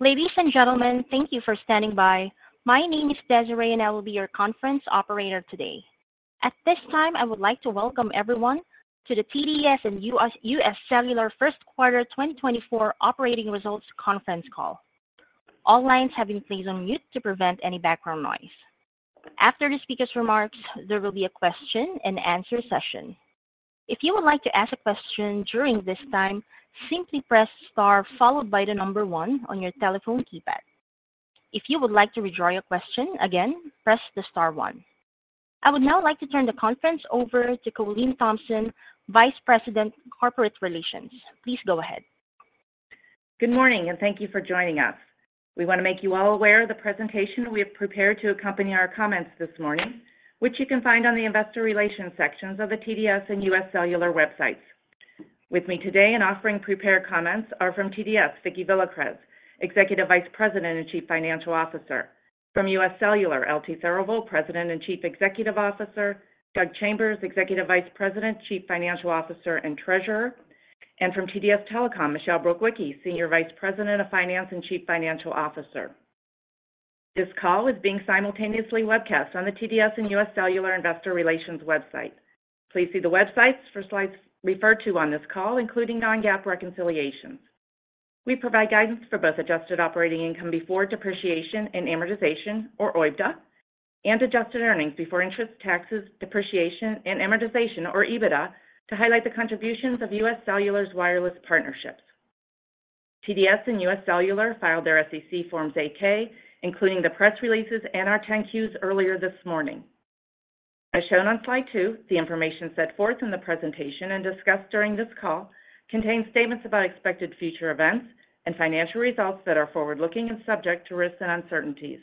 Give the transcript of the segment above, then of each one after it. Ladies and gentlemen, thank you for standing by. My name is Desiree, and I will be your conference operator today. At this time, I would like to welcome everyone to the TDS and UScellular First Quarter 2024 Operating Results Conference Call. All lines have been placed on mute to prevent any background noise. After the speaker's remarks, there will be a question and answer session. If you would like to ask a question during this time, simply press Star followed by the number one on your telephone keypad. If you would like to withdraw your question, again, press the star one. I would now like to turn the conference over to Colleen Thompson, Vice President, Corporate Relations. Please go ahead. Good morning, and thank you for joining us. We want to make you all aware of the presentation we have prepared to accompany our comments this morning, which you can find on the investor relations sections of the TDS and UScellular websites. With me today and offering prepared comments are from TDS, Vicki Villacrez, Executive Vice President and Chief Financial Officer. From UScellular, L.T. Therivel, President and Chief Executive Officer, Doug Chambers, Executive Vice President, Chief Financial Officer, and Treasurer, and from TDS Telecom, Michelle Brukwicki, Senior Vice President of Finance and Chief Financial Officer. This call is being simultaneously webcast on the TDS and US Cellular Investor Relations website. Please see the websites for slides referred to on this call, including non-GAAP reconciliation. We provide guidance for both adjusted operating income before depreciation and amortization, or OIBDA, and adjusted earnings before interest, taxes, depreciation, and amortization, or EBITDA, to highlight the contributions of UScellular's wireless partnerships. TDS and UScellular filed their SEC Form 8-Ks, including the press releases and our 10-Qs earlier this morning. As shown on slide two, the information set forth in the presentation and discussed during this call contains statements about expected future events and financial results that are forward-looking and subject to risks and uncertainties.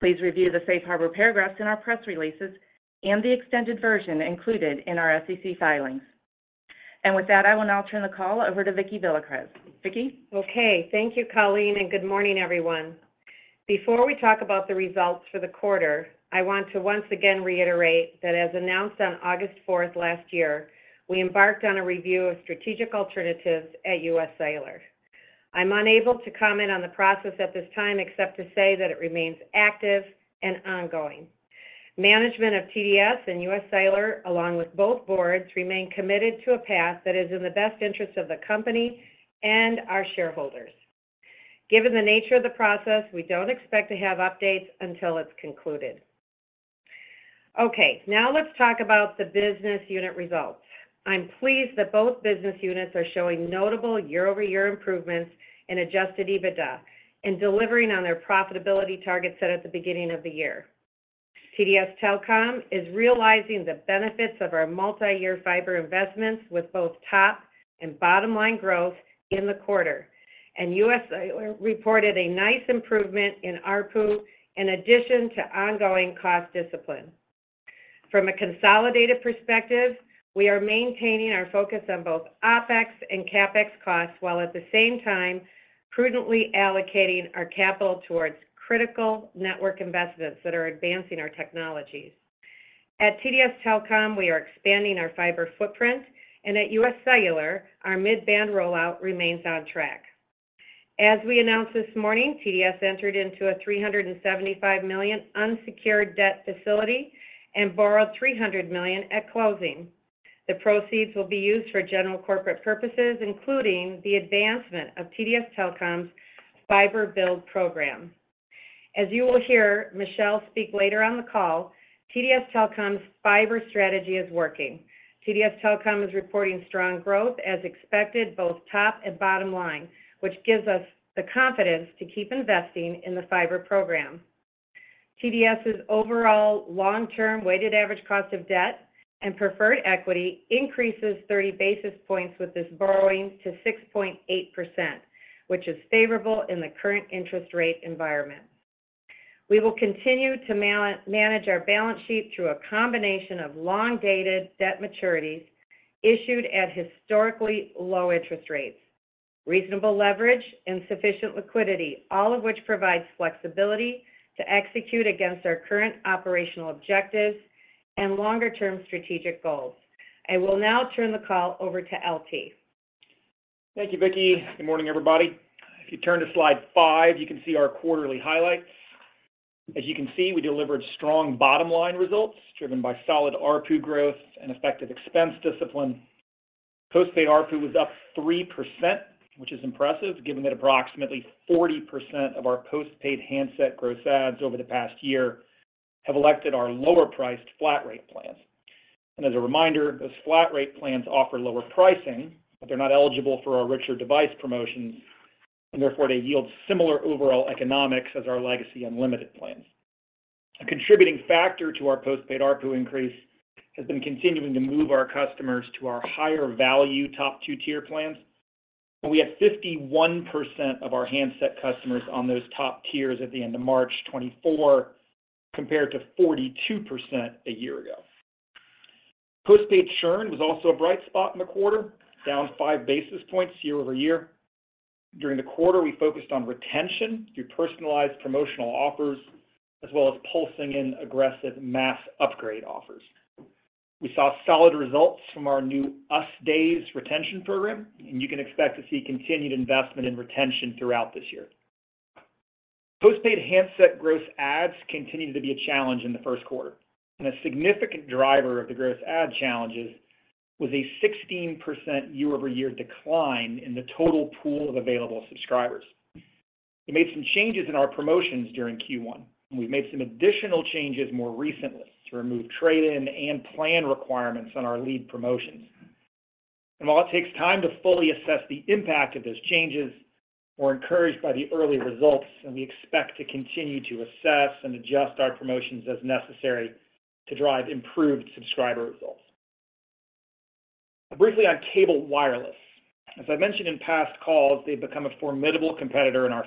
Please review the safe harbor paragraphs in our press releases and the extended version included in our SEC filings. And with that, I will now turn the call over to Vicki Villacrez. Vicki? Okay. Thank you, Colleen, and good morning, everyone. Before we talk about the results for the quarter, I want to once again reiterate that as announced on August fourth last year, we embarked on a review of strategic alternatives at US Cellular. I'm unable to comment on the process at this time, except to say that it remains active and ongoing. Management of TDS and US Cellular, along with both boards, remain committed to a path that is in the best interest of the company and our shareholders. Given the nature of the process, we don't expect to have updates until it's concluded. Okay, now let's talk about the business unit results. I'm pleased that both business units are showing notable year-over-year improvements in adjusted EBITDA and delivering on their profitability targets set at the beginning of the year. TDS Telecom is realizing the benefits of our multi-year fiber investments with both top and bottom-line growth in the quarter, and UScellular reported a nice improvement in ARPU in addition to ongoing cost discipline. From a consolidated perspective, we are maintaining our focus on both OpEx and CapEx costs, while at the same time prudently allocating our capital towards critical network investments that are advancing our technologies. At TDS Telecom, we are expanding our fiber footprint, and at UScellular, our mid-band rollout remains on track. As we announced this morning, TDS entered into a $375 million unsecured debt facility and borrowed $300 million at closing. The proceeds will be used for general corporate purposes, including the advancement of TDS Telecom's fiber build program. As you will hear Michelle speak later on the call, TDS Telecom's fiber strategy is working. TDS Telecom is reporting strong growth as expected, both top and bottom line, which gives us the confidence to keep investing in the fiber program. TDS's overall long-term weighted average cost of debt and preferred equity increases 30 basis points with this borrowing to 6.8%, which is favorable in the current interest rate environment. We will continue to manage our balance sheet through a combination of long-dated debt maturities issued at historically low interest rates, reasonable leverage and sufficient liquidity, all of which provides flexibility to execute against our current operational objectives and longer-term strategic goals. I will now turn the call over to L.T. Thank you, Vicki. Good morning, everybody. If you turn to slide five, you can see our quarterly highlights. As you can see, we delivered strong bottom line results, driven by solid ARPU growth and effective expense discipline. Postpaid ARPU was up 3%, which is impressive, given that approximately 40% of our postpaid handset gross adds over the past year have elected our lower-priced flat rate plans. And as a reminder, those flat rate plans offer lower pricing, but they're not eligible for our richer device promotions, and therefore they yield similar overall economics as our legacy unlimited plans. A contributing factor to our postpaid ARPU increase has been continuing to move our customers to our higher value top two tier plans. We have 51% of our handset customers on those top tiers at the end of March 2024, compared to 42% a year ago. Postpaid churn was also a bright spot in the quarter, down 5 basis points year-over-year. During the quarter, we focused on retention through personalized promotional offers, as well as pulsing in aggressive mass upgrade offers. We saw solid results from our new US Days retention program, and you can expect to see continued investment in retention throughout this year. Postpaid handset gross adds continued to be a challenge in the first quarter, and a significant driver of the gross add challenges was a 16% year-over-year decline in the total pool of available subscribers. We made some changes in our promotions during Q1, and we've made some additional changes more recently to remove trade-in and plan requirements on our lead promotions. While it takes time to fully assess the impact of those changes, we're encouraged by the early results, and we expect to continue to assess and adjust our promotions as necessary to drive improved subscriber results. Briefly on cable wireless. As I mentioned in past calls, they've become a formidable competitor in our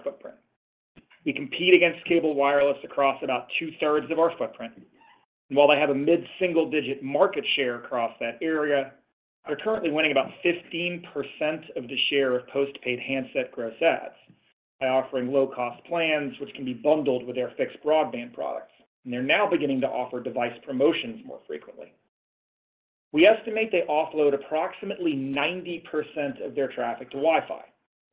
footprint. We compete against cable wireless across about two-thirds of our footprint. While they have a mid-single-digit market share across that area, they're currently winning about 15% of the share of postpaid handset gross adds by offering low-cost plans, which can be bundled with their fixed broadband products. They're now beginning to offer device promotions more frequently. We estimate they offload approximately 90% of their traffic to Wi-Fi,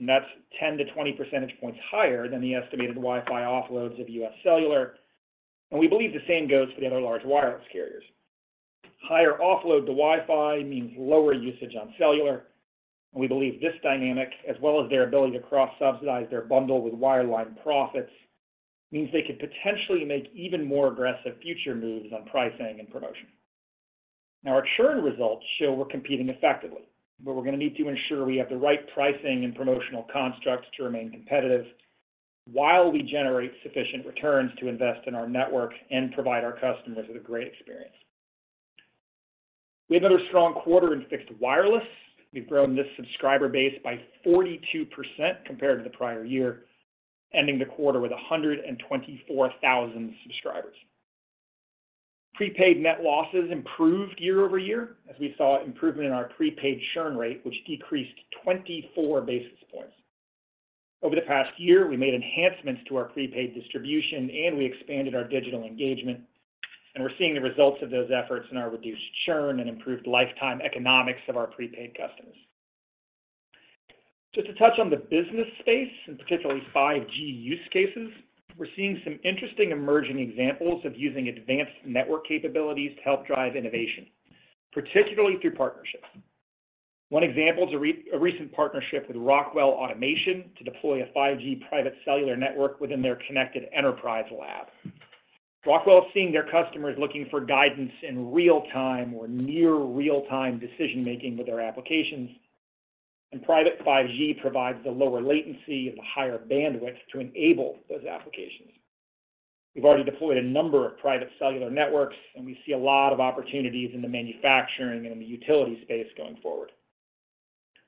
and that's 10-20 percentage points higher than the estimated Wi-Fi offloads of UScellular, and we believe the same goes for the other large wireless carriers. Higher offload to Wi-Fi means lower usage on cellular. We believe this dynamic, as well as their ability to cross-subsidize their bundle with wireline profits, means they could potentially make even more aggressive future moves on pricing and promotion. Now, our churn results show we're competing effectively, but we're going to need to ensure we have the right pricing and promotional constructs to remain competitive while we generate sufficient returns to invest in our network and provide our customers with a great experience. We had another strong quarter in fixed wireless. We've grown this subscriber base by 42% compared to the prior year, ending the quarter with 124,000 subscribers. Prepaid net losses improved year-over-year, as we saw improvement in our prepaid churn rate, which decreased 24 basis points. Over the past year, we made enhancements to our prepaid distribution, and we expanded our digital engagement, and we're seeing the results of those efforts in our reduced churn and improved lifetime economics of our prepaid customers. Just to touch on the business space, and particularly 5G use cases, we're seeing some interesting emerging examples of using advanced network capabilities to help drive innovation, particularly through partnerships. One example is a recent partnership with Rockwell Automation to deploy a private cellular network within their Connected Enterprise Lab. Rockwell is seeing their customers looking for guidance in real time or near real-time decision-making with their applications, and private 5G provides the lower latency and the higher bandwidth to enable those applications. We've already deployed a number of private cellular networks, and we see a lot of opportunities in the manufacturing and the utility space going forward.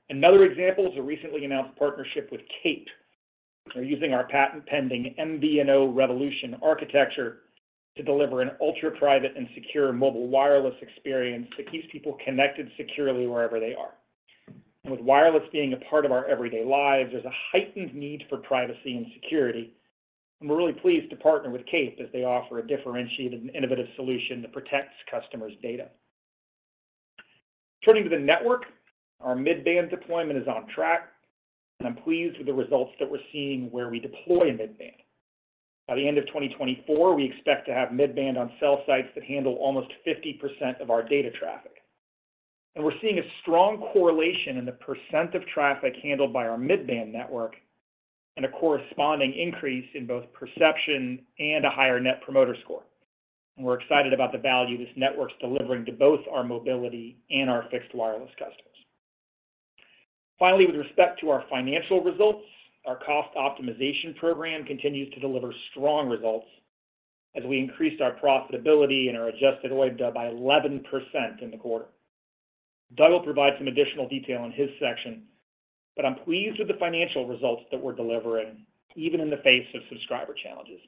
Another example is a recently announced partnership with Cape. They're using our patent-pending MVNO Revolution architecture to deliver an ultra-private and secure mobile wireless experience that keeps people connected securely wherever they are. With wireless being a part of our everyday lives, there's a heightened need for privacy and security, and we're really pleased to partner with Cape as they offer a differentiated and innovative solution that protects customers' data. Turning to the network, our mid-band deployment is on track, and I'm pleased with the results that we're seeing where we deploy mid-band. By the end of 2024, we expect to have mid-band on cell sites that handle almost 50% of our data traffic. We're seeing a strong correlation in the percent of traffic handled by our mid-band network and a corresponding increase in both perception and a higher Net Promoter Score. We're excited about the value this network's delivering to both our mobility and our fixed wireless customers. Finally, with respect to our financial results, our cost optimization program continues to deliver strong results as we increased our profitability and our Adjusted OIBDA by 11% in the quarter. Doug will provide some additional detail in his section, but I'm pleased with the financial results that we're delivering, even in the face of subscriber challenges.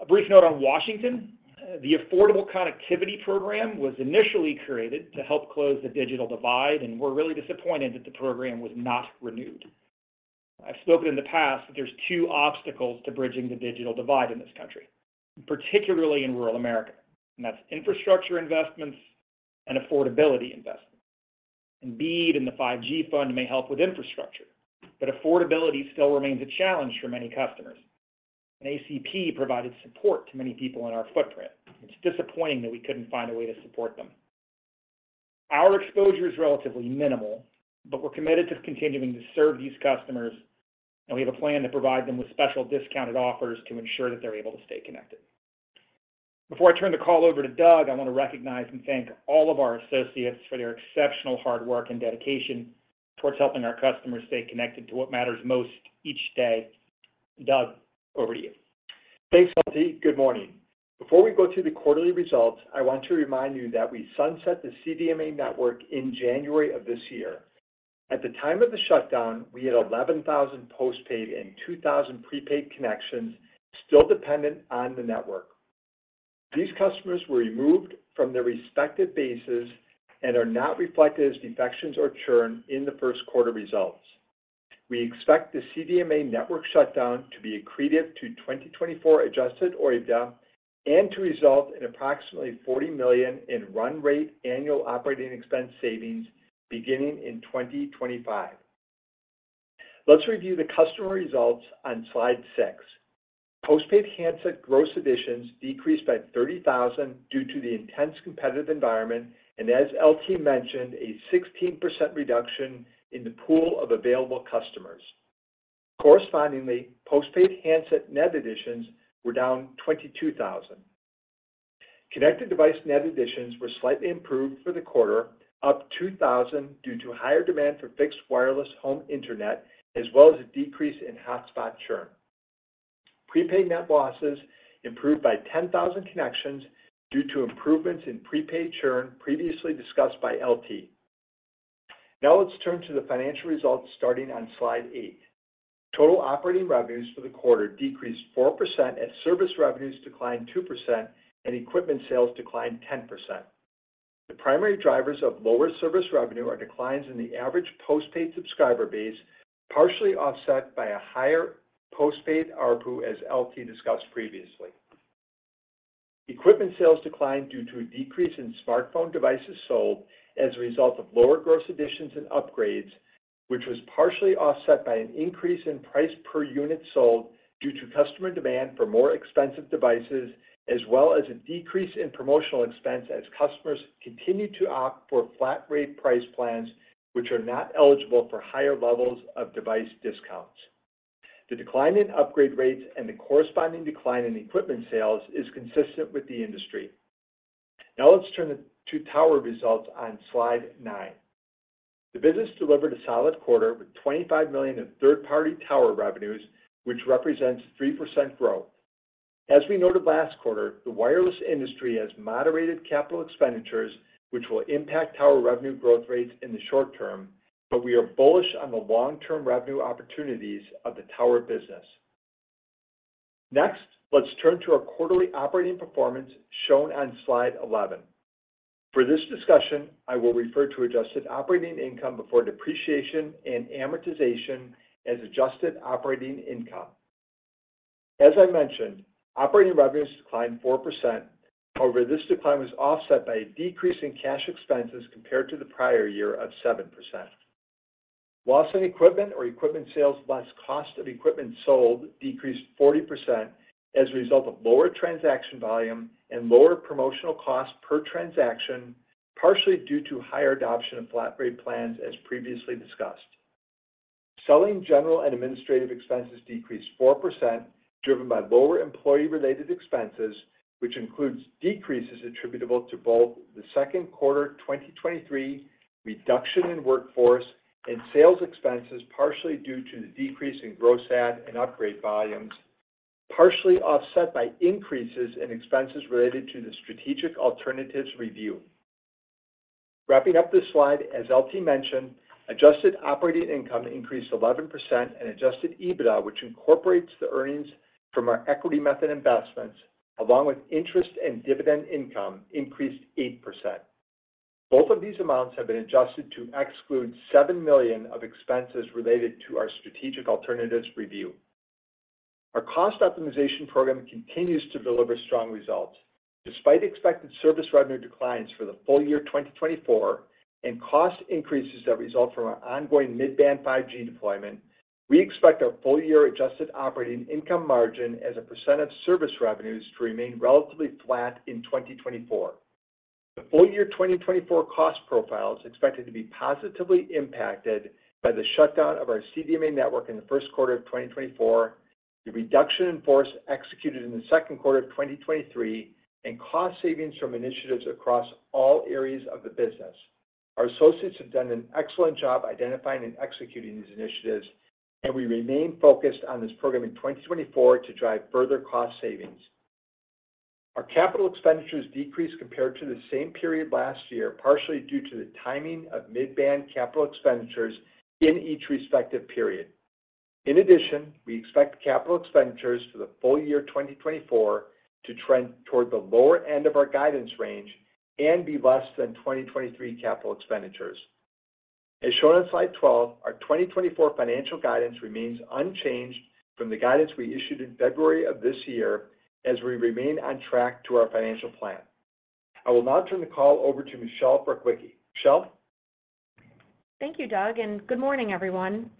A brief note on Washington. The Affordable Connectivity Program was initially created to help close the digital divide, and we're really disappointed that the program was not renewed. I've spoken in the past that there's two obstacles to bridging the digital divide in this country, particularly in rural America, and that's infrastructure investments and affordability investments. BEAD and the 5G Fund may help with infrastructure, but affordability still remains a challenge for many customers, and ACP provided support to many people in our footprint. It's disappointing that we couldn't find a way to support them. Our exposure is relatively minimal, but we're committed to continuing to serve these customers, and we have a plan to provide them with special discounted offers to ensure that they're able to stay connected. Before I turn the call over to Doug, I want to recognize and thank all of our associates for their exceptional hard work and dedication towards helping our customers stay connected to what matters most each day. Doug, over to you. Thanks, L.T. Good morning. Before we go through the quarterly results, I want to remind you that we sunset the CDMA network in January of this year. At the time of the shutdown, we had 11,000 postpaid and 2,000 prepaid connections still dependent on the network. These customers were removed from their respective bases and are not reflected as defections or churn in the first quarter results. We expect the CDMA network shutdown to be accretive to 2024 adjusted OIBDA and to result in approximately $40 million in run rate annual operating expense savings beginning in 2025. Let's review the customer results on slide 6. Postpaid handset gross additions decreased by 30,000 due to the intense competitive environment, and as L.T. mentioned, a 16% reduction in the pool of available customers. Correspondingly, postpaid handset net additions were down 22,000. Connected device net additions were slightly improved for the quarter, up 2,000, due to higher demand for fixed wireless home internet, as well as a decrease in hotspot churn. Prepaid net losses improved by 10,000 connections due to improvements in prepaid churn previously discussed by L.T. Now let's turn to the financial results starting on slide 8. Total operating revenues for the quarter decreased 4% as service revenues declined 2% and equipment sales declined 10%. The primary drivers of lower service revenue are declines in the average postpaid subscriber base, partially offset by a higher postpaid ARPU, as L.T. discussed previously. Equipment sales declined due to a decrease in smartphone devices sold as a result of lower gross additions and upgrades, which was partially offset by an increase in price per unit sold due to customer demand for more expensive devices, as well as a decrease in promotional expense as customers continued to opt for flat rate price plans, which are not eligible for higher levels of device discounts. The decline in upgrade rates and the corresponding decline in equipment sales is consistent with the industry. Now let's turn to tower results on slide 9. The business delivered a solid quarter, with $25 million in third-party tower revenues, which represents 3% growth. As we noted last quarter, the wireless industry has moderated capital expenditures, which will impact tower revenue growth rates in the short term, but we are bullish on the long-term revenue opportunities of the tower business. Next, let's turn to our quarterly operating performance, shown on slide 11. For this discussion, I will refer to adjusted operating income before depreciation and amortization as adjusted operating income. As I mentioned, operating revenues declined 4%. However, this decline was offset by a decrease in cash expenses compared to the prior year of 7%. Loss on equipment or equipment sales, plus cost of equipment sold, decreased 40% as a result of lower transaction volume and lower promotional costs per transaction, partially due to higher adoption of flat rate plans, as previously discussed. Selling general and administrative expenses decreased 4%, driven by lower employee-related expenses, which includes decreases attributable to both the second quarter 2023 reduction in workforce and sales expenses, partially due to the decrease in gross ad and upgrade volumes, partially offset by increases in expenses related to the strategic alternatives review. Wrapping up this slide, as L.T. mentioned, adjusted operating income increased 11% and adjusted EBITDA, which incorporates the earnings from our equity method investments, along with interest and dividend income, increased 8%. Both of these amounts have been adjusted to exclude $7 million of expenses related to our strategic alternatives review. Our cost optimization program continues to deliver strong results. Despite expected service revenue declines for the full year 2024 and cost increases that result from our ongoing mid-band 5G deployment, we expect our full-year adjusted operating income margin as a percent of service revenues to remain relatively flat in 2024. The full-year 2024 cost profile is expected to be positively impacted by the shutdown of our CDMA network in the first quarter of 2024, the reduction in force executed in the second quarter of 2023, and cost savings from initiatives across all areas of the business. Our associates have done an excellent job identifying and executing these initiatives, and we remain focused on this program in 2024 to drive further cost savings. Our capital expenditures decreased compared to the same period last year, partially due to the timing of mid-band capital expenditures in each respective period. In addition, we expect capital expenditures for the full year 2024 to trend toward the lower end of our guidance range and be less than 2023 capital expenditures. As shown on slide 12, our 2024 financial guidance remains unchanged from the guidance we issued in February of this year, as we remain on track to our financial plan. I will now turn the call over to Michelle Brukwicki. Michelle? Thank you, Doug, and good morning, everyone.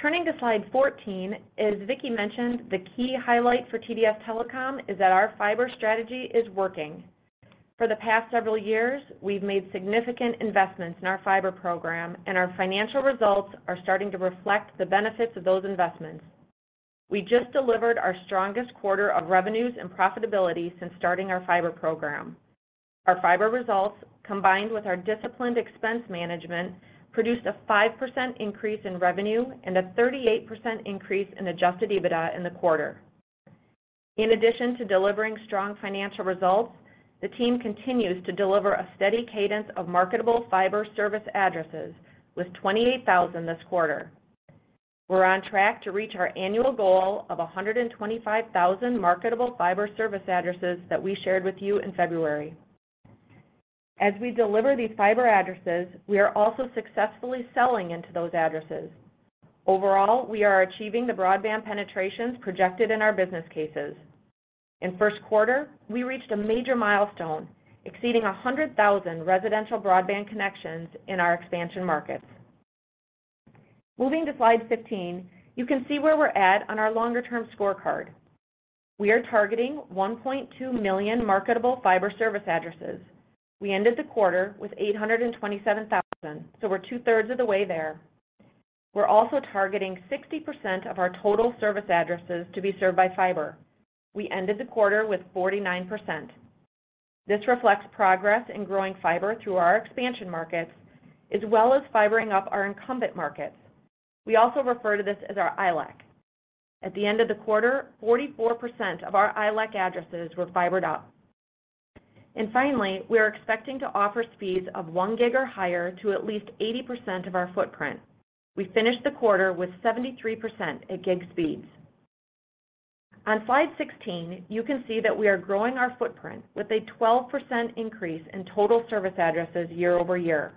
Turning to slide 14, as Vicki mentioned, the key highlight for TDS Telecom is that our fiber strategy is working. For the past several years, we've made significant investments in our fiber program, and our financial results are starting to reflect the benefits of those investments. We just delivered our strongest quarter of revenues and profitability since starting our fiber program. Our fiber results, combined with our disciplined expense management, produced a 5% increase in revenue and a 38% increase in Adjusted EBITDA in the quarter. In addition to delivering strong financial results, the team continues to deliver a steady cadence of marketable fiber service addresses with 28,000 this quarter. We're on track to reach our annual goal of 125,000 marketable fiber service addresses that we shared with you in February. As we deliver these fiber addresses, we are also successfully selling into those addresses. Overall, we are achieving the broadband penetrations projected in our business cases. In first quarter, we reached a major milestone, exceeding 100,000 residential broadband connections in our expansion markets. Moving to slide 15, you can see where we're at on our longer-term scorecard. We are targeting 1.2 million marketable fiber service addresses. We ended the quarter with 827,000, so we're two-thirds of the way there. We're also targeting 60% of our total service addresses to be served by fiber. We ended the quarter with 49%. This reflects progress in growing fiber through our expansion markets, as well as fibering up our incumbent markets. We also refer to this as our ILEC. At the end of the quarter, 44% of our ILEC addresses were fibered up. And finally, we are expecting to offer speeds of 1 gig or higher to at least 80% of our footprint. We finished the quarter with 73% at gig speeds. On slide 16, you can see that we are growing our footprint with a 12% increase in total service addresses year-over-year.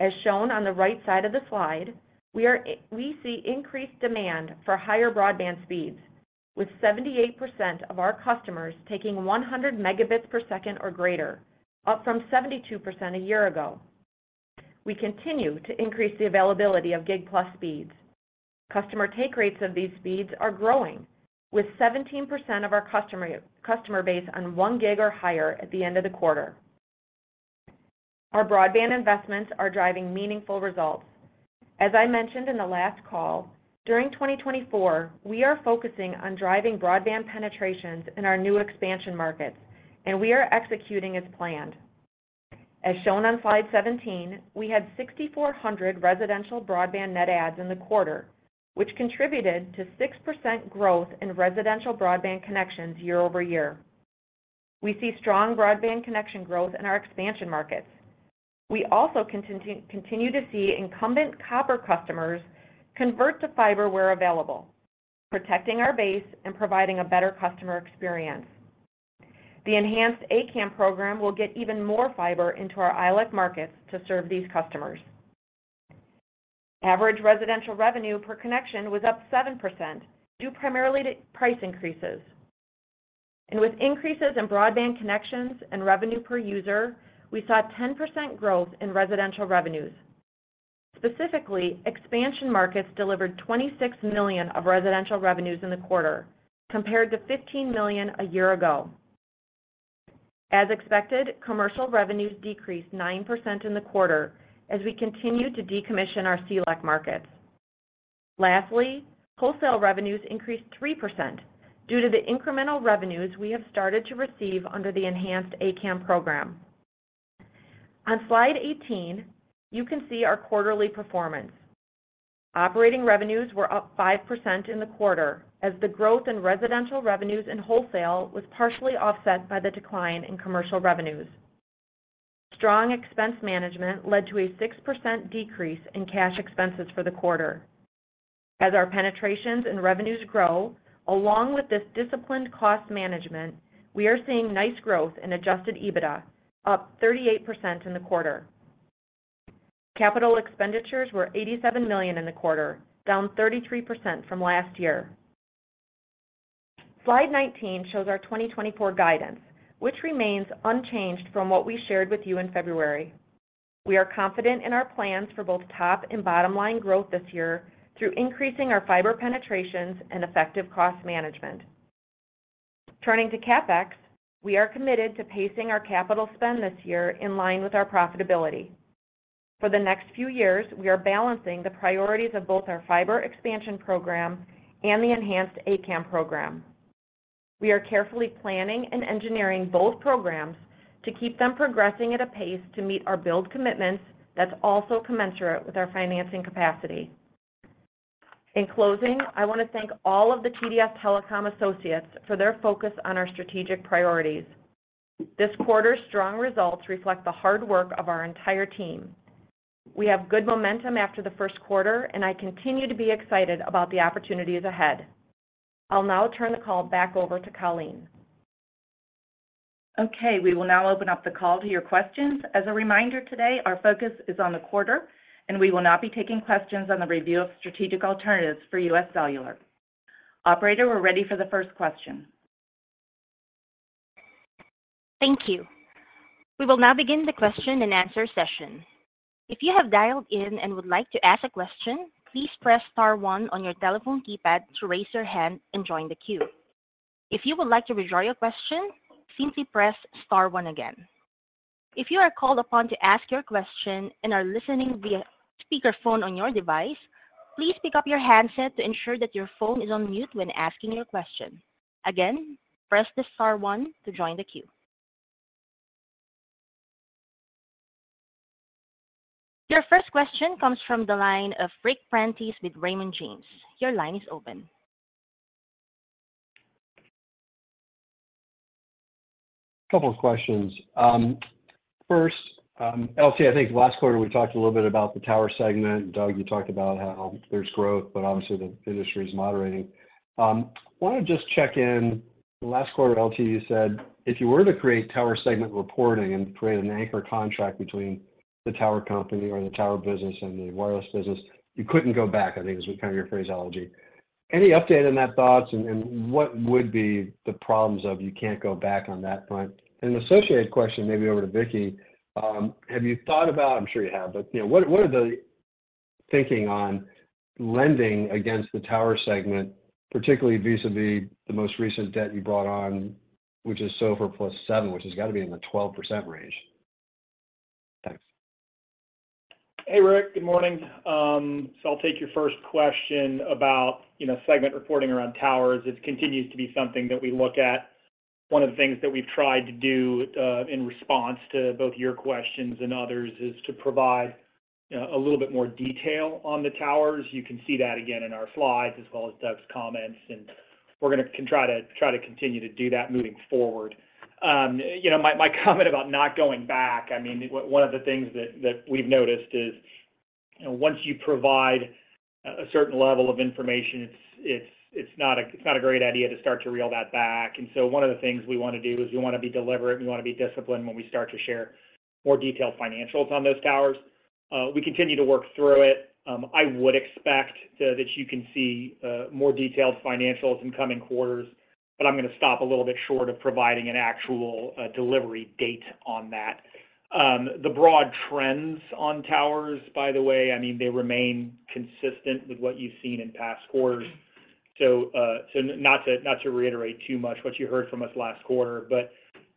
As shown on the right side of the slide, we see increased demand for higher broadband speeds, with 78% of our customers taking 100 megabits per second or greater, up from 72% a year ago. We continue to increase the availability of gig plus speeds. Customer take rates of these speeds are growing, with 17% of our customer base on 1 gig or higher at the end of the quarter. Our broadband investments are driving meaningful results. As I mentioned in the last call, during 2024, we are focusing on driving broadband penetrations in our new expansion markets, and we are executing as planned. As shown on slide 17, we had 6,400 residential broadband net adds in the quarter, which contributed to 6% growth in residential broadband connections year-over-year. We see strong broadband connection growth in our expansion markets. We also continue to see incumbent copper customers convert to fiber where available, protecting our base and providing a better customer experience. The Enhanced A-CAM program will get even more fiber into our ILEC markets to serve these customers. Average residential revenue per connection was up 7%, due primarily to price increases. With increases in broadband connections and revenue per user, we saw 10% growth in residential revenues. Specifically, expansion markets delivered $26 million of residential revenues in the quarter, compared to $15 million a year ago. As expected, commercial revenues decreased 9% in the quarter as we continued to decommission our CLEC markets. Lastly, wholesale revenues increased 3% due to the incremental revenues we have started to receive under the Enhanced ACAM program. On slide 18, you can see our quarterly performance. Operating revenues were up 5% in the quarter, as the growth in residential revenues and wholesale was partially offset by the decline in commercial revenues. Strong expense management led to a 6% decrease in cash expenses for the quarter. As our penetrations and revenues grow, along with this disciplined cost management, we are seeing nice growth in Adjusted EBITDA, up 38% in the quarter. Capital expenditures were $87 million in the quarter, down 33% from last year. Slide 19 shows our 2024 guidance, which remains unchanged from what we shared with you in February. We are confident in our plans for both top- and bottom-line growth this year through increasing our fiber penetrations and effective cost management. Turning to CapEx, we are committed to pacing our capital spend this year in line with our profitability. For the next few years, we are balancing the priorities of both our fiber expansion program and the Enhanced ACAM program. We are carefully planning and engineering both programs to keep them progressing at a pace to meet our build commitments that's also commensurate with our financing capacity. In closing, I want to thank all of the TDS Telecom associates for their focus on our strategic priorities. This quarter's strong results reflect the hard work of our entire team. We have good momentum after the first quarter, and I continue to be excited about the opportunities ahead. I'll now turn the call back over to Colleen. Okay, we will now open up the call to your questions. As a reminder today, our focus is on the quarter, and we will not be taking questions on the review of strategic alternatives for UScellular. Operator, we're ready for the first question. Thank you. We will now begin the question and answer session. If you have dialed in and would like to ask a question, please press star one on your telephone keypad to raise your hand and join the queue. If you would like to withdraw your question, simply press star one again. If you are called upon to ask your question and are listening via speakerphone on your device, please pick up your handset to ensure that your phone is on mute when asking your question. Again, press the star one to join the queue. Your first question comes from the line of Ric Prentiss with Raymond James. Your line is open. Couple of questions. L.T., I think last quarter we talked a little bit about the tower segment, and Doug, you talked about how there's growth, but obviously the industry is moderating. Wanna just check in. Last quarter, L.T., you said, if you were to create tower segment reporting and create an anchor contract between the tower company or the tower business and the wireless business, you couldn't go back, I think was kind of your phraseology. Any update on that thoughts, and, and what would be the problems of you can't go back on that front? An associated question, maybe over to Vicki. Have you thought about, I'm sure you have, but, you know, what are the thinking on lending against the tower segment, particularly vis-à-vis the most recent debt you brought on, which is SOFR plus 7, which has got to be in the 12% range? Thanks. Hey, Ric. Good morning. So I'll take your first question about, you know, segment reporting around towers. It continues to be something that we look at. One of the things that we've tried to do, in response to both your questions and others, is to provide a little bit more detail on the towers. You can see that again in our slides, as well as Doug's comments, and we're gonna try to continue to do that moving forward. You know, my comment about not going back, I mean, one of the things that we've noticed is, you know, once you provide a certain level of information, it's not a great idea to start to reel that back. And so one of the things we wanna do is we wanna be deliberate, we wanna be disciplined when we start to share more detailed financials on those towers. We continue to work through it. I would expect that you can see more detailed financials in coming quarters, but I'm gonna stop a little bit short of providing an actual delivery date on that. The broad trends on towers, by the way, I mean, they remain consistent with what you've seen in past quarters. So, not to reiterate too much what you heard from us last quarter, but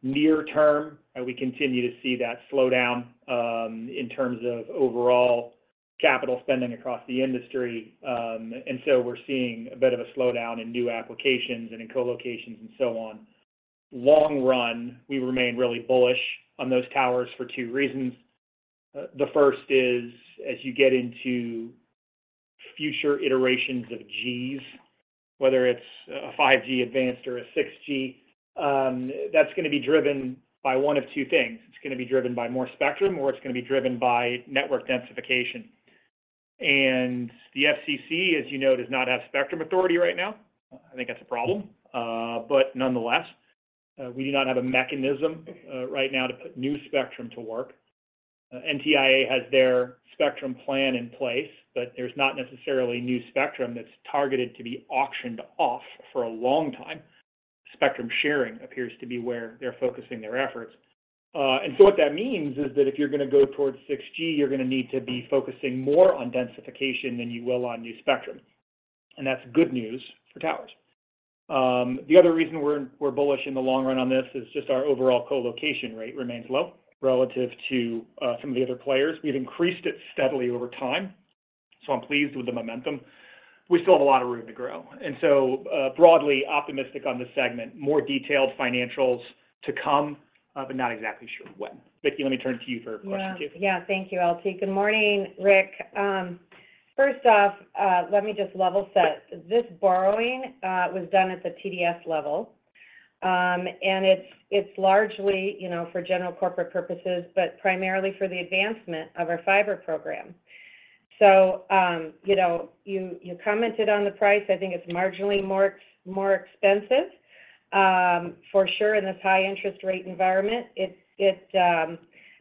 near term, and we continue to see that slowdown in terms of overall capital spending across the industry. And so we're seeing a bit of a slowdown in new applications and in co-locations and so on. Long run, we remain really bullish on those towers for two reasons. The first is, as you get into future iterations of Gs, whether it's a 5G advanced or a 6G, that's gonna be driven by one of two things. It's gonna be driven by more spectrum, or it's gonna be driven by network densification. And the FCC, as you know, does not have spectrum authority right now. I think that's a problem. But nonetheless, we do not have a mechanism right now to put new spectrum to work. NTIA has their spectrum plan in place, but there's not necessarily new spectrum that's targeted to be auctioned off for a long time. Spectrum sharing appears to be where they're focusing their efforts. and so what that means is that if you're gonna go towards 6G, you're gonna need to be focusing more on densification than you will on new spectrum, and that's good news for towers. The other reason we're bullish in the long run on this is just our overall co-location rate remains low relative to some of the other players. We've increased it steadily over time, so I'm pleased with the momentum. We still have a lot of room to grow, and so broadly optimistic on this segment. More detailed financials to come, but not exactly sure when. Vicki, let me turn to you for a question, too. Yeah. Yeah. Thank you, L.T. Good morning, Ric. First off, let me just level set. This borrowing was done at the TDS level, and it's, it's largely, you know, for general corporate purposes, but primarily for the advancement of our fiber program. So, you know, you, you commented on the price. I think it's marginally more, more expensive, for sure, in this high interest rate environment. It's- it,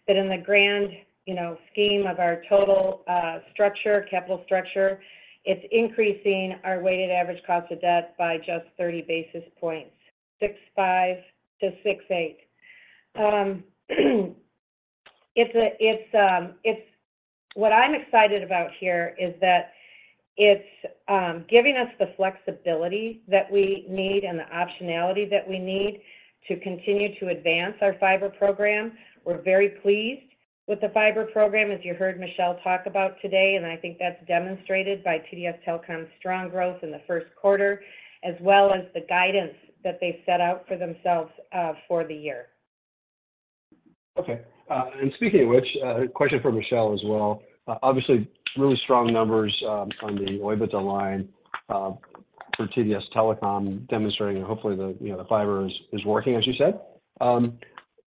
but in the grand, you know, scheme of our total, structure, capital structure, it's increasing our weighted average cost of debt by just 30 basis points, 6.5 to 6.8. It's a- it's, it's- What I'm excited about here is that it's giving us the flexibility that we need and the optionality that we need to continue to advance our fiber program. We're very pleased with the fiber program, as you heard Michelle talk about today, and I think that's demonstrated by TDS Telecom's strong growth in the first quarter, as well as the guidance that they've set out for themselves, for the year. Okay. And speaking of which, question for Michelle as well. Obviously, really strong numbers on the OIBDA line for TDS Telecom, demonstrating, and hopefully, you know, the fiber is working, as you said.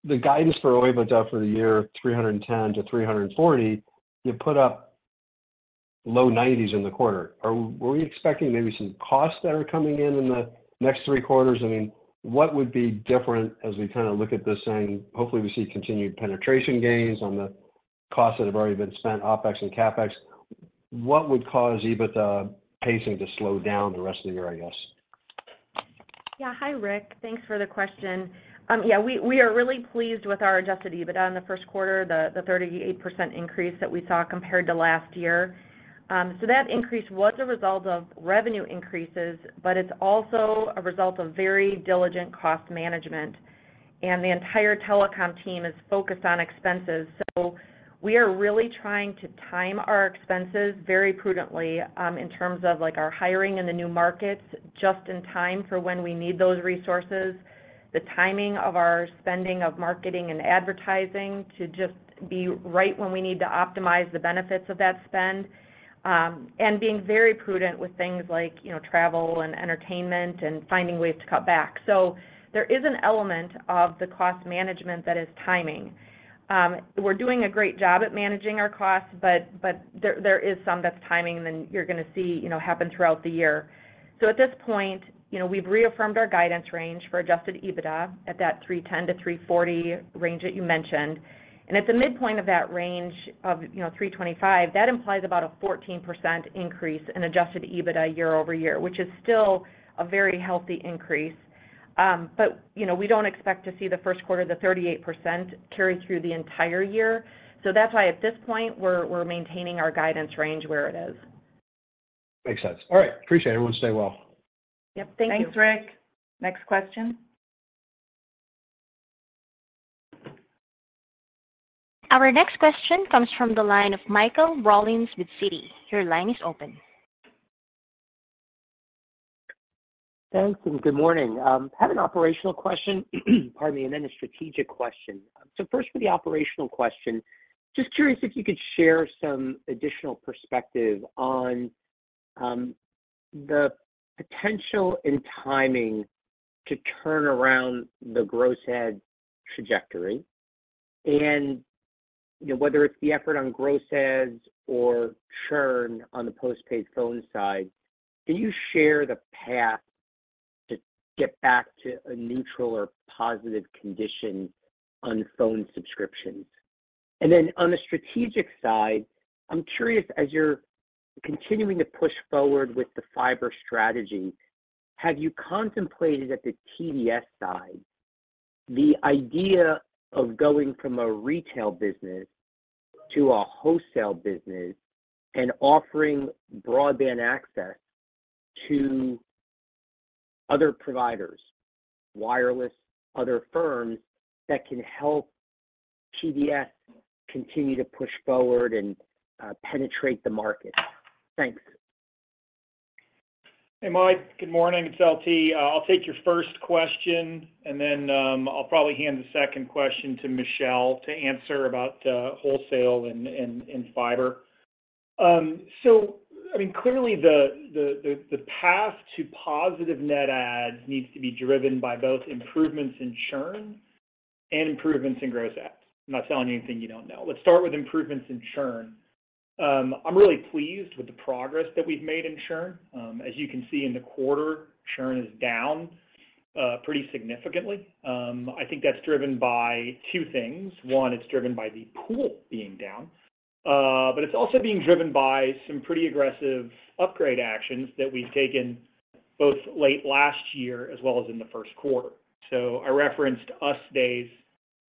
The guidance for OIBDA for the year, $310-$340, you put up low $90s in the quarter. Are we expecting maybe some costs that are coming in in the next three quarters? I mean, what would be different as we kind of look at this and hopefully we see continued penetration gains on the costs that have already been spent, OpEx and CapEx? What would cause EBITDA pacing to slow down the rest of the year, I guess? Yeah. Hi, Ric. Thanks for the question. Yeah, we are really pleased with our Adjusted EBITDA in the first quarter, the 38% increase that we saw compared to last year. So that increase was a result of revenue increases, but it's also a result of very diligent cost management, and the entire telecom team is focused on expenses. So we are really trying to time our expenses very prudently, in terms of, like, our hiring in the new markets, just in time for when we need those resources, the timing of our spending of marketing and advertising to just be right when we need to optimize the benefits of that spend, and being very prudent with things like, you know, travel and entertainment and finding ways to cut back. So there is an element of the cost management that is timing. We're doing a great job at managing our costs, but there is some that's timing, and you're going to see, you know, happen throughout the year. So at this point, you know, we've reaffirmed our guidance range for Adjusted EBITDA at that 310-340 range that you mentioned. And at the midpoint of that range of, you know, 325, that implies about a 14% increase in Adjusted EBITDA year-over-year, which is still a very healthy increase. But, you know, we don't expect to see the first quarter 38% carry through the entire year. So that's why at this point, we're maintaining our guidance range where it is. Makes sense. All right, appreciate it. Everyone stay well. Yep. Thank you. Thanks, Ric. Next question. Our next question comes from the line of Michael Rollins with Citi. Your line is open. Thanks, and good morning. I have an operational question, pardon me, and then a strategic question. So first, for the operational question, just curious if you could share some additional perspective on the potential and timing to turn around the gross add trajectory, and, you know, whether it's the effort on gross adds or churn on the postpaid phone side, can you share the path to get back to a neutral or positive condition on phone subscriptions? And then on the strategic side, I'm curious, as you're continuing to push forward with the fiber strategy, have you contemplated at the TDS side, the idea of going from a retail business to a wholesale business and offering broadband access to other providers, wireless, other firms, that can help TDS continue to push forward and penetrate the market? Thanks. Hey, Mike, good morning. It's LT. I'll take your first question, and then I'll probably hand the second question to Michelle to answer about wholesale and fiber. So I mean, clearly, the path to positive net adds needs to be driven by both improvements in churn and improvements in gross adds. I'm not telling you anything you don't know. Let's start with improvements in churn. I'm really pleased with the progress that we've made in churn. As you can see in the quarter, churn is down pretty significantly. I think that's driven by two things. One, it's driven by the pool being down, but it's also being driven by some pretty aggressive upgrade actions that we've taken both late last year as well as in the first quarter. So I referenced US Days.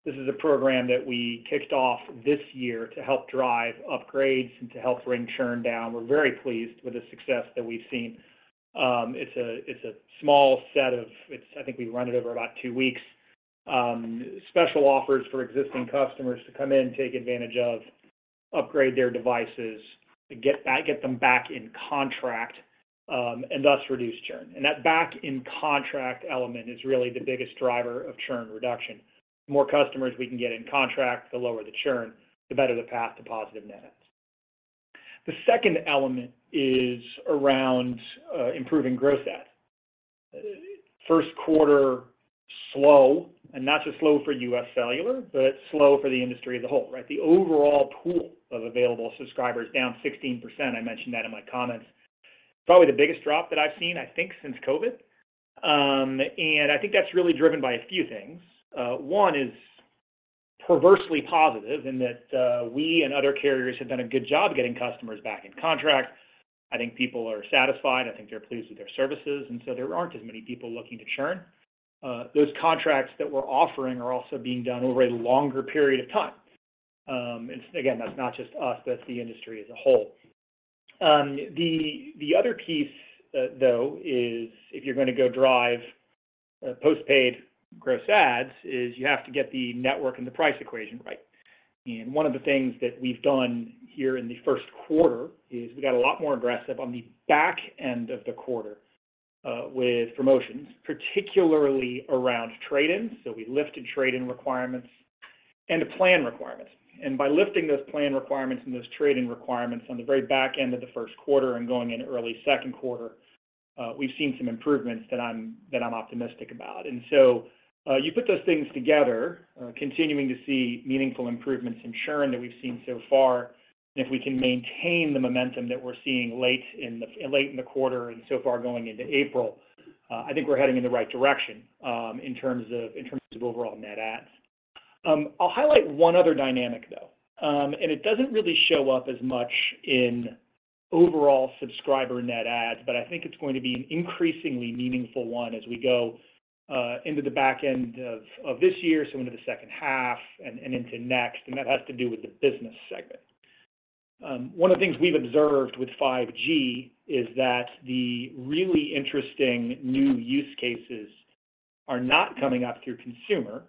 This is a program that we kicked off this year to help drive upgrades and to help bring churn down. We're very pleased with the success that we've seen. It's a small set of special offers for existing customers to come in and take advantage of, upgrade their devices, to get back, get them back in contract, and thus reduce churn. And that back in contract element is really the biggest driver of churn reduction. More customers we can get in contract, the lower the churn, the better the path to positive net adds. The second element is around improving growth add. First quarter, slow, and not just slow for UScellular, but slow for the industry as a whole, right? The overall pool of available subscribers down 16%. I mentioned that in my comments. Probably the biggest drop that I've seen, I think, since COVID. I think that's really driven by a few things. One is perversely positive in that we and other carriers have done a good job getting customers back in contract. I think people are satisfied. I think they're pleased with their services, and so there aren't as many people looking to churn. Those contracts that we're offering are also being done over a longer period of time. Again, that's not just us, that's the industry as a whole. The other piece, though, is if you're going to go drive postpaid gross adds, is you have to get the network and the price equation right. One of the things that we've done here in the first quarter is we got a lot more aggressive on the back end of the quarter with promotions, particularly around trade-ins. So we lifted trade-in requirements and the plan requirements. By lifting those plan requirements and those trade-in requirements on the very back end of the first quarter and going in early second quarter, we've seen some improvements that I'm optimistic about. So you put those things together, continuing to see meaningful improvements in churn that we've seen so far, and if we can maintain the momentum that we're seeing late in the quarter and so far going into April, I think we're heading in the right direction in terms of overall net adds. I'll highlight one other dynamic, though. And it doesn't really show up as much in overall subscriber net adds, but I think it's going to be an increasingly meaningful one as we go into the back end of this year, so into the second half and into next, and that has to do with the business segment. One of the things we've observed with 5G is that the really interesting new use cases are not coming up through consumer.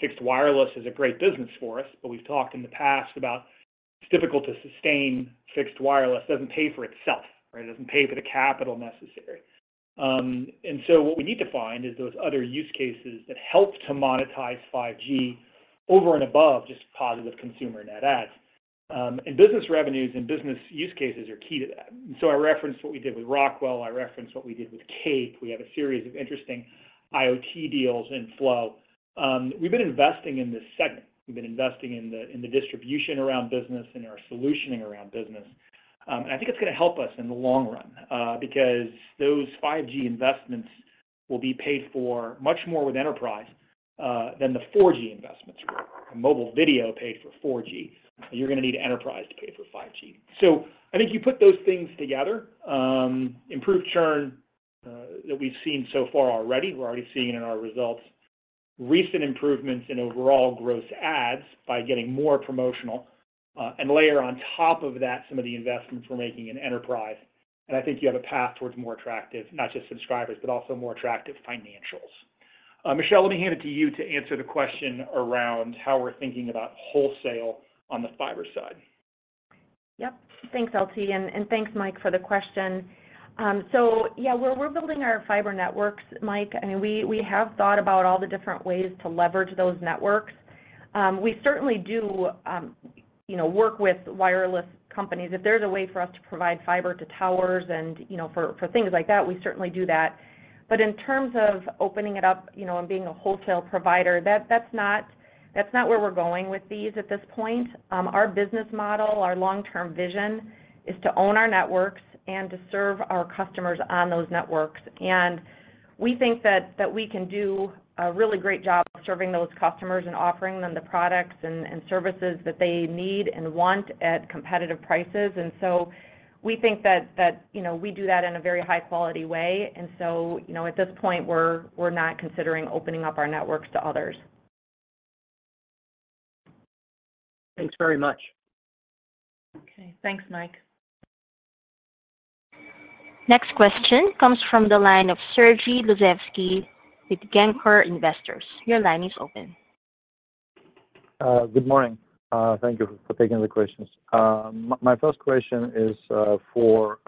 Fixed wireless is a great business for us, but we've talked in the past about it's difficult to sustain fixed wireless. Doesn't pay for itself, right? It doesn't pay for the capital necessary. And so what we need to find is those other use cases that help to monetize 5G over and above just positive consumer net adds. And business revenues and business use cases are key to that. So I referenced what we did with Rockwell, I referenced what we did with Cape. We have a series of interesting IoT deals in flow. We've been investing in this segment. We've been investing in the, in the distribution around business and our solutioning around business. And I think it's gonna help us in the long run, because those 5G investments will be paid for much more with enterprise, than the 4G investments were. Mobile video paid for 4G, and you're gonna need enterprise to pay for 5G. So I think you put those things together, improved churn that we've seen so far already, we're already seeing in our results, recent improvements in overall gross adds by getting more promotional, and layer on top of that some of the investments we're making in enterprise, and I think you have a path towards more attractive, not just subscribers, but also more attractive financials. Michelle, let me hand it to you to answer the question around how we're thinking about wholesale on the fiber side. Yep. Thanks, LT, and thanks, Mike, for the question. So yeah, well, we're building our fiber networks, Mike, and we have thought about all the different ways to leverage those networks. We certainly do, you know, work with wireless companies. If there's a way for us to provide fiber to towers and, you know, for things like that, we certainly do that. But in terms of opening it up, you know, and being a wholesale provider, that's not where we're going with these at this point. Our business model, our long-term vision, is to own our networks and to serve our customers on those networks. And we think that we can do a really great job serving those customers and offering them the products and services that they need and want at competitive prices. We think that, you know, we do that in a very high-quality way. You know, at this point, we're not considering opening up our networks to others. Thanks very much. Okay. Thanks, Mike. Next question comes from the line of Sergey Dluzhevskiy with Gamco Investors. Your line is open. Good morning. Thank you for taking the questions. My first question is for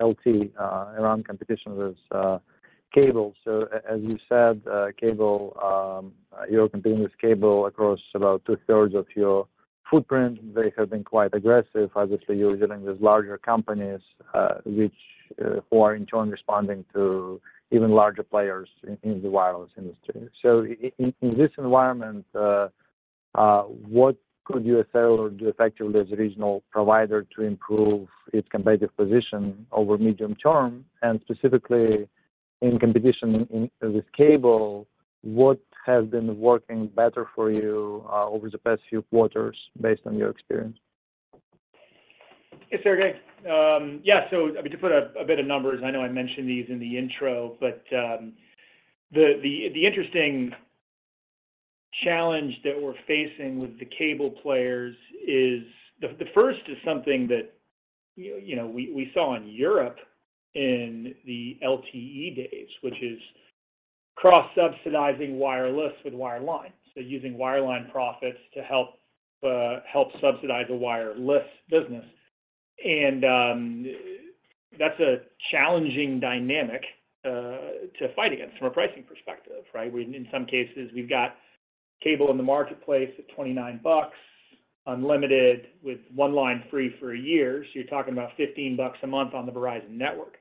LT around competition with cable. So as you said, cable, you're competing with cable across about two-thirds of your footprint. They have been quite aggressive. Obviously, you're dealing with larger companies who are in turn responding to even larger players in the wireless industry. So in this environment, what could UScellular do effectively as a regional provider to improve its competitive position over medium term? And specifically, in competition with cable, what has been working better for you over the past few quarters based on your experience? Hey, Sergey. Yeah, so I mean, to put a bit of numbers, I know I mentioned these in the intro, but the interesting challenge that we're facing with the cable players is... The first is something that you know, we saw in Europe in the LTE days, which is cross-subsidizing wireless with wireline. So using wireline profits to help subsidize the wireless business. And that's a challenging dynamic to fight against from a pricing perspective, right? Where in some cases, we've got cable in the marketplace at $29, unlimited, with one line free for a year. So you're talking about $15 a month on the Verizon network.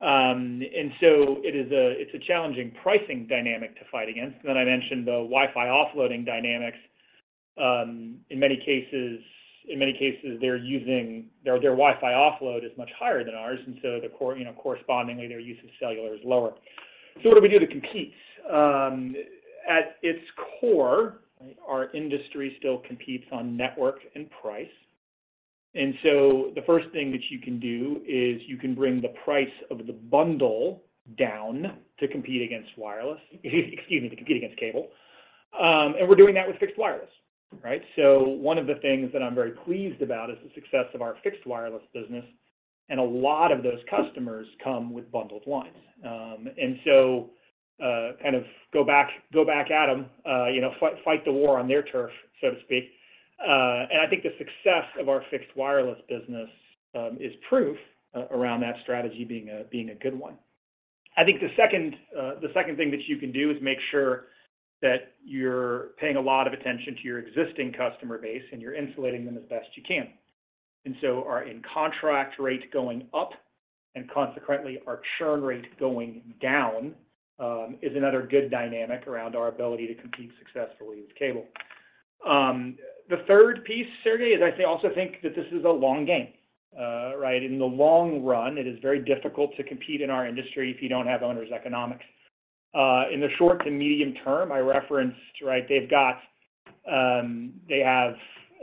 And so it is a challenging pricing dynamic to fight against. Then I mentioned the Wi-Fi offloading dynamics. In many cases, they're using their Wi-Fi offload is much higher than ours, and so you know, correspondingly, their use of cellular is lower. So what do we do to compete? At its core, our industry still competes on network and price. And so the first thing that you can do is you can bring the price of the bundle down to compete against wireless, excuse me, to compete against cable. And we're doing that with fixed wireless, right? So one of the things that I'm very pleased about is the success of our fixed wireless business, and a lot of those customers come with bundled lines. And so kind of go back at them, you know, fight the war on their turf, so to speak. and I think the success of our fixed wireless business is proof around that strategy being a good one. I think the second thing that you can do is make sure that you're paying a lot of attention to your existing customer base, and you're insulating them as best you can. And so our in-contract rate going up and consequently, our churn rate going down is another good dynamic around our ability to compete successfully with cable. The third piece, Sergey, is I also think that this is a long game, right? In the long run, it is very difficult to compete in our industry if you don't have owners' economics. In the short to medium term, I referenced, right, they've got, they have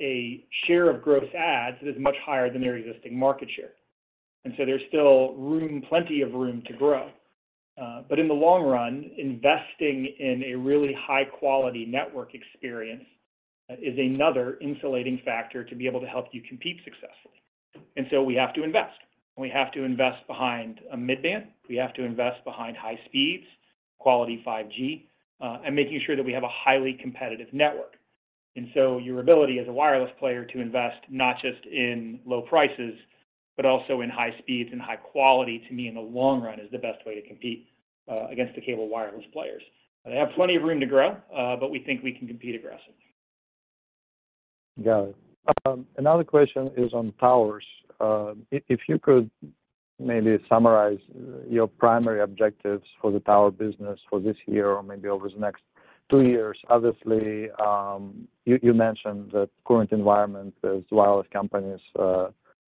a share of gross adds that is much higher than their existing market share... and so there's still room, plenty of room to grow. But in the long run, investing in a really high-quality network experience is another insulating factor to be able to help you compete successfully. And so we have to invest. We have to invest behind a mid-band, we have to invest behind high speeds, quality 5G, and making sure that we have a highly competitive network. And so your ability as a wireless player to invest not just in low prices, but also in high speeds and high quality, to me, in the long run, is the best way to compete against the cable wireless players. They have plenty of room to grow, but we think we can compete aggressively. Got it. Another question is on towers. If you could maybe summarize your primary objectives for the tower business for this year or maybe over the next two years? Obviously, you mentioned that current environment as wireless companies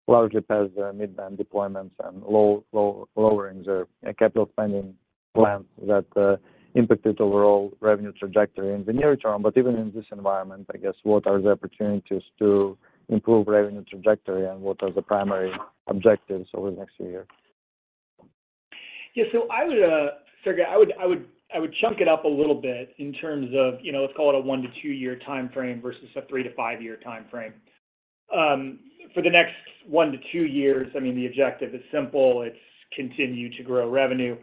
largely pass their mid-band deployments and lowering their capital spending plans that impacted overall revenue trajectory in the near term. But even in this environment, I guess, what are the opportunities to improve revenue trajectory, and what are the primary objectives over the next few years? Yeah, so I would, Sergey, I would chunk it up a little bit in terms of, you know, let's call it a 1-2-year timeframe versus a 3-5-year timeframe. For the next 1-2 years, I mean, the objective is simple: it's continue to grow revenue.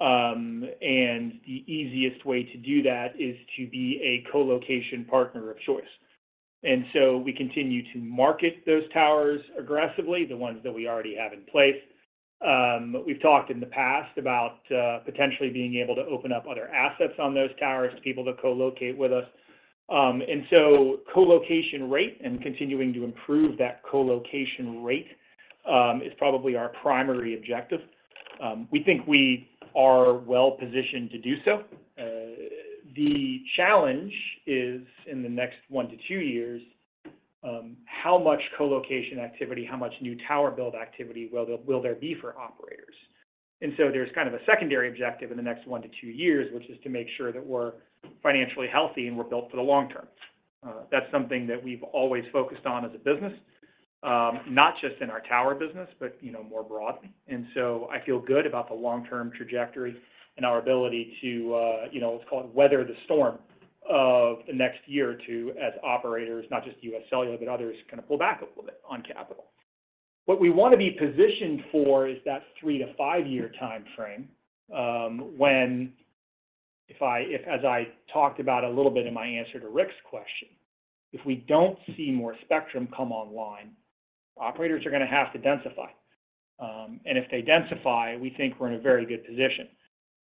And the easiest way to do that is to be a co-location partner of choice. And so we continue to market those towers aggressively, the ones that we already have in place. We've talked in the past about potentially being able to open up other assets on those towers to people to co-locate with us. And so co-location rate and continuing to improve that co-location rate is probably our primary objective. We think we are well positioned to do so. The challenge is, in the next one to two years, how much co-location activity, how much new tower build activity will there be for operators? And so there's kind of a secondary objective in the next one to two years, which is to make sure that we're financially healthy and we're built for the long term. That's something that we've always focused on as a business, not just in our tower business, but, you know, more broadly. And so I feel good about the long-term trajectory and our ability to, you know, let's call it, weather the storm of the next year or two as operators, not just UScellular, but others kind of pull back a little bit on capital. What we want to be positioned for is that 3-5-year timeframe, when if I-- if as I talked about a little bit in my answer to Ric's question, if we don't see more spectrum come online, operators are gonna have to densify. And if they densify, we think we're in a very good position.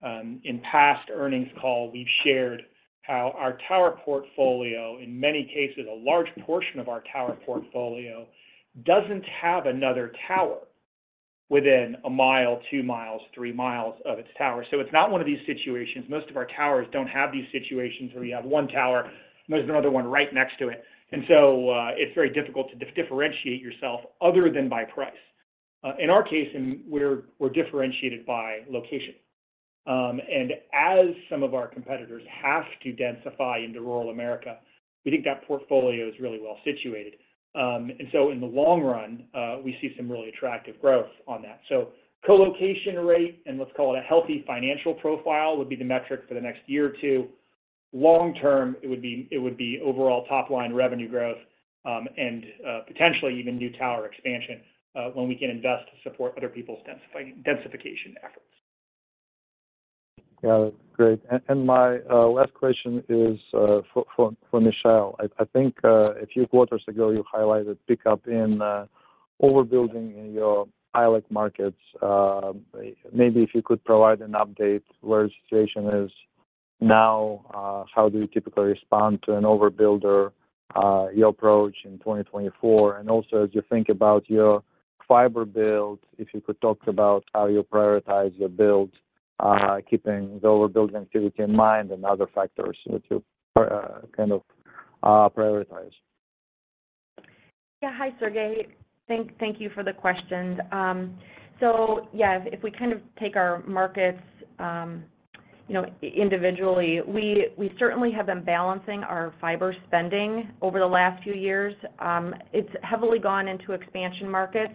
In past earnings call, we've shared how our tower portfolio, in many cases, a large portion of our tower portfolio, doesn't have another tower within a mile, 2 miles, 3 miles of its tower. So it's not one of these situations. Most of our towers don't have these situations where you have one tower, and there's another one right next to it. And so, it's very difficult to differentiate yourself other than by price. In our case, and we're, we're differentiated by location. And as some of our competitors have to densify into rural America, we think that portfolio is really well situated. And so in the long run, we see some really attractive growth on that. So co-location rate, and let's call it a healthy financial profile, would be the metric for the next year or two. Long term, it would be, it would be overall top-line revenue growth, and potentially even new tower expansion, when we can invest to support other people's densification efforts. Yeah, great. And my last question is for Michelle. I think a few quarters ago, you highlighted pickup in overbuilding in your ILEC markets. Maybe if you could provide an update where the situation is now, how do you typically respond to an overbuilder, your approach in 2024? And also, as you think about your fiber build, if you could talk about how you prioritize your build, keeping the overbuild activity in mind and other factors that you kind of prioritize. Yeah. Hi, Sergey. Thank you for the questions. So yeah, if we kind of take our markets, you know, individually, we certainly have been balancing our fiber spending over the last few years. It's heavily gone into expansion markets,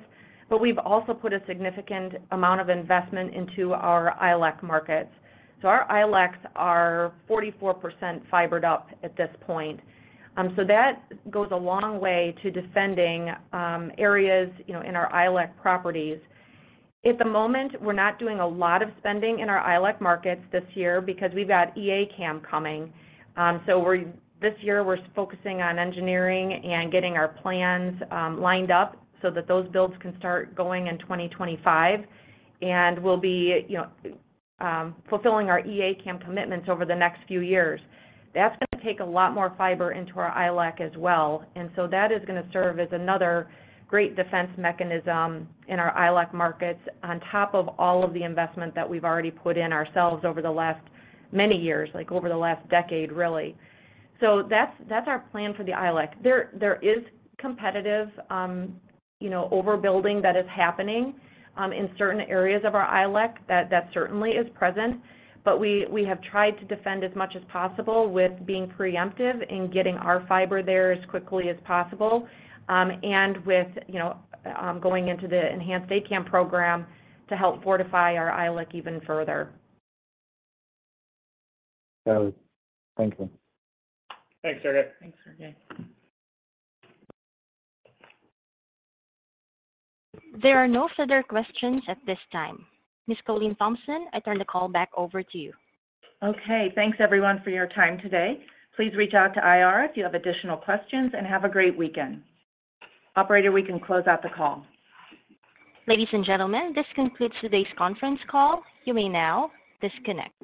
but we've also put a significant amount of investment into our ILEC markets. So our ILECs are 44% fibered up at this point. So that goes a long way to defending areas, you know, in our ILEC properties. At the moment, we're not doing a lot of spending in our ILEC markets this year because we've got Enhanced ACAM coming. So this year, we're focusing on engineering and getting our plans lined up so that those builds can start going in 2025. And we'll be, you know, fulfilling our Enhanced ACAM commitments over the next few years. That's gonna take a lot more fiber into our ILEC as well, and so that is gonna serve as another great defense mechanism in our ILEC markets, on top of all of the investment that we've already put in ourselves over the last many years, like, over the last decade, really. So that's our plan for the ILEC. There is competitive, you know, overbuilding that is happening in certain areas of our ILEC. That certainly is present, but we have tried to defend as much as possible with being preemptive in getting our fiber there as quickly as possible, and with, you know, going into the Enhanced ACAM program to help fortify our ILEC even further. Got it. Thank you. Thanks, Sergey. Thanks, Sergey. There are no further questions at this time. Ms. Colleen Thompson, I turn the call back over to you. Okay. Thanks, everyone, for your time today. Please reach out to IR if you have additional questions, and have a great weekend. Operator, we can close out the call. Ladies and gentlemen, this concludes today's conference call. You may now disconnect.